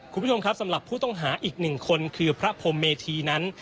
คุณผู้ชมครับสำหรับผู้ต้องหาอีกหนึ่งคนคือพระพรมเมธีนั้น